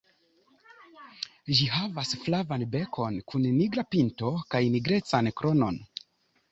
Ĝi havas flavan bekon kun nigra pinto kaj nigrecan kronon.